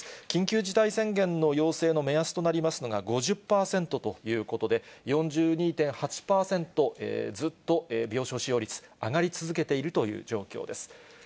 緊急事態宣言の要請の目安となりますのが５０％ということで、４２．８％、ずっと病床使用率、上がり続けているという状況です。